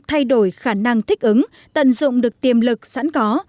thay đổi khả năng thích ứng tận dụng được tiềm lực sẵn có